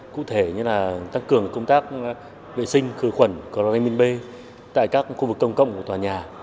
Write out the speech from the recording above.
cụ thể như là tăng cường công tác vệ sinh khử khuẩn coronavirus b tại các khu vực công cộng của tòa nhà